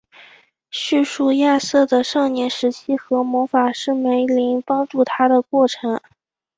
叙述亚瑟的少年时期和魔法师梅林帮助他的过程。